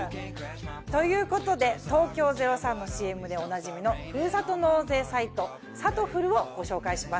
ということで東京０３のＣＭでおなじみのふるさと納税サイト「さとふる」をご紹介します。